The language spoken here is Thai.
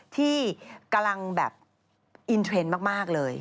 ที่กำลังแบบอินเทรนด์มากเลย